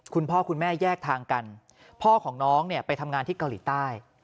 คุณพ่อคุณแม่แยกทางกันพ่อของน้องเนี่ยไปทำงานที่เกาหลีใต้